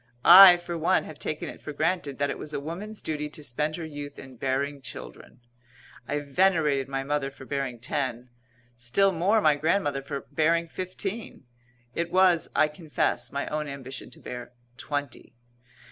I, for one, have taken it for granted that it was a woman's duty to spend her youth in bearing children. I venerated my mother for bearing ten; still more my grandmother for bearing fifteen; it was, I confess, my own ambition to bear twenty.